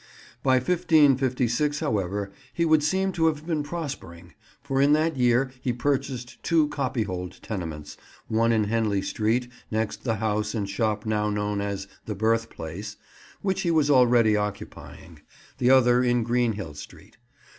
By 1556, however, he would seem to have been prospering, for in that year he purchased two copyhold tenements, one in Henley Street, next the house and shop now known as "the birthplace" which he was already occupying; the other in Greenhill Street.